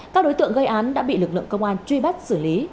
các đối tượng gây án đã bị lực lượng công an truy bắt xử lý